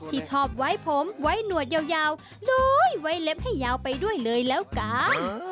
ที่ชอบไว้ผมไว้หนวดยาวนุ้ยไว้เล็บให้ยาวไปด้วยเลยแล้วกัน